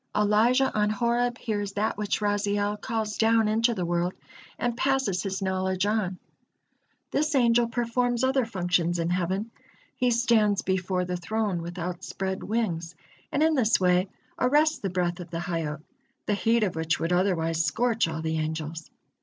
Elijah on Horeb hears that which Raziel calls down into the world, and passes his knowledge on. This angel performs other functions in heaven. He stands before the Throne with outspread wings, and in this way arrests the breath of the Hayyot, the heat of which would otherwise scorch all the angels.